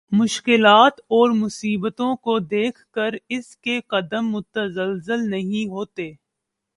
مشکلات اور مصیبتوں کو دیکھ کر اس کے قدم متزلزل نہیں ہوتے